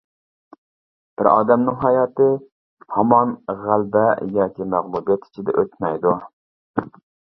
بىر ئادەمنىڭ ھاياتى ھامان غەلىبە ياكى مەغلۇبىيەت ئىچىدە ئۆتمەيدۇ.